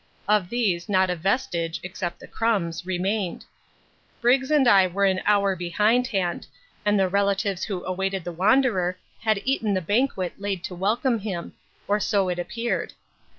Of these not a vestige (except the crumbs) remained. Briggs and I were an hour behindhand, and the relatives who awaited the wanderer had eaten the banquet laid to welcome him: or so it appeared.